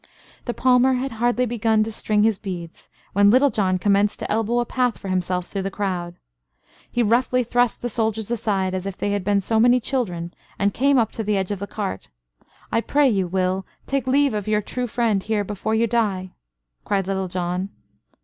The palmer had hardly begun to string his beads when Little John commenced to elbow a path for himself through the crowd. He roughly thrust the soldiers aside as if they had been so many children, and came up to the edge of the cart. "I pray you, Will, take leave of your true friend here before you die," cried Little John.